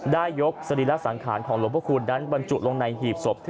ได้ยกสรีระสังขารของหลวงพระคุณนั้นบรรจุลงในหีบศพ